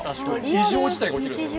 異常事態が起きるんですよ。